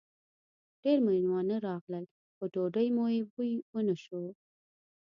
ډېر مېلمانه راغلل؛ په ډوډۍ مو ای و بوی و نه شو.